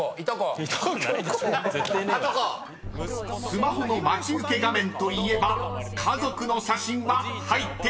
［スマホの待ち受け画面といえば家族の写真は入っているのか？］